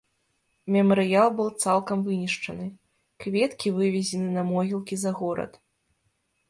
Мемарыял быў цалкам вынішчаны, кветкі вывезены на могілкі за горад.